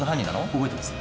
覚えてます？